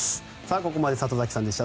ここまで里崎さんでした。